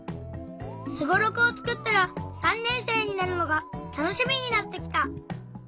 スゴロクをつくったら３年生になるのがたのしみになってきた！